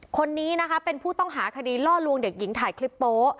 คนนี้นะคะเป็นผู้ต้องหาคดีล่อลวงเด็กหญิงถ่ายคลิปโป๊ะ